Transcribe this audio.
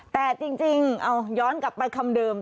แต่จริงเอาย้อนกลับไปคำเดิม